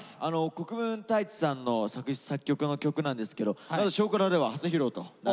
国分太一さんの作詞作曲の曲なんですけど「少クラ」では初披露となるようです。